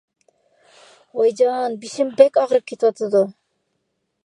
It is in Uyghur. ۋايجان، بېشىم بەك ئاغرىپ كېتىۋاتىدۇ.